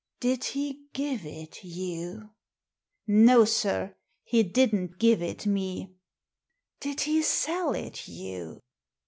" Did he give it you ?"" No, sir, he didn't give it me." "Did he sell it you?"